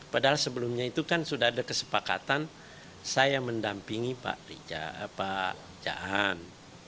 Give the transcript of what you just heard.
padahal sebelumnya itu kan sudah ada kesepakatan saya mendampingi pak jahan